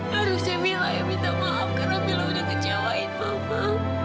harusnya mila yang minta maaf karena mila sudah kecewakan mama